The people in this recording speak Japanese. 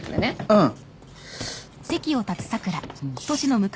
うん。